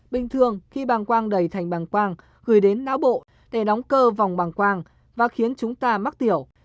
bình thường khi bàng quang đầy thành bằng quang gửi đến não bộ để đóng cơ vòng bằng quang và khiến chúng ta mắc tiểu